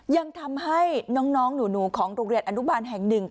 ยังทำให้น้องหนูของโรงเรียนอนุบาลแห่งหนึ่ง